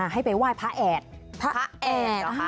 ให้ไปไหว้พระแอดพระแอด